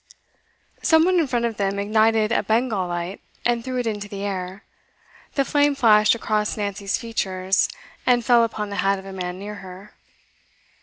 Some one in front of them ignited a Bengal light and threw it into the air; the flame flashed across Nancy's features, and fell upon the hat of a man near her.